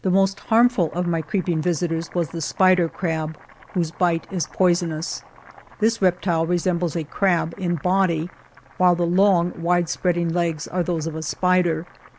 The most harmful of my creeping visitors was the spider crab, whose bite is poisonous. This rep tile resembles a crab in body, while the long, wide spreading legs are those of a spider.